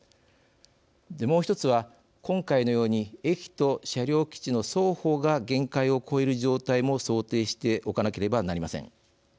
もう一つは今回のように駅と車両基地の双方が限界を超える状態も想定しておかなければなりません。